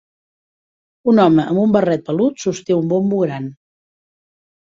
Un home amb un barret pelut sosté un bombo gran.